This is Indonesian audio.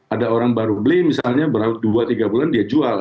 ada orang baru beli misalnya dua tiga bulan dia jual